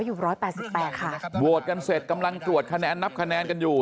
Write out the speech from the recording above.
โหวตกันเสร็จกำลังตรวจคะแนนนับคะแนนกันอยู่